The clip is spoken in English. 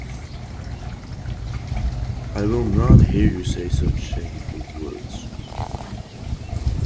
I will not hear you say such shameful words!